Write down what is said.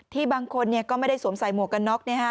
บางคนก็ไม่ได้สวมใส่หมวกกันน็อก